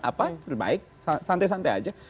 apa terbaik santai santai aja